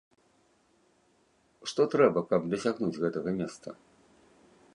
Што трэба, каб дасягнуць гэтага месца?